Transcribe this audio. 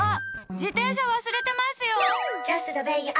自転車忘れてますよ！